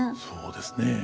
そうですね。